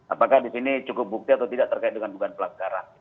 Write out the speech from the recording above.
apakah di sini cukup bukti atau tidak terkait dengan dugaan pelanggaran